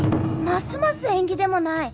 ますます縁起でもない！